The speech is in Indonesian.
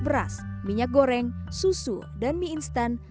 beras minyak goreng susu dan mie instan